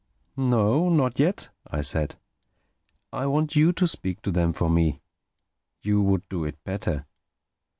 "No, not yet," I said. "I want you to speak to them for me. You would do it better.